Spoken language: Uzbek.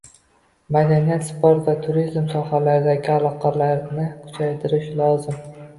madaniyat, sport va turizm sohalaridagi aloqalarni kuchaytirish lozim.